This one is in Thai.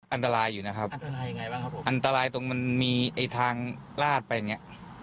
อันตรายอยู่นะครับอันตรายยังไงบ้างครับผมอันตรายตรงมันมีไอ้ทางลาดไปอย่างเงี้ย